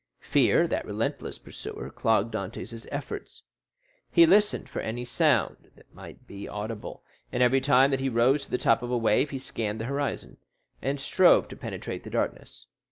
Fear, that relentless pursuer, clogged Dantès' efforts. He listened for any sound that might be audible, and every time that he rose to the top of a wave he scanned the horizon, and strove to penetrate the darkness.